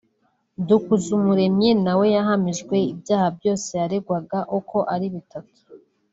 Dukuzumuremyi na we yahamijwe ibyaha byose yaregwaga uko ari bitatu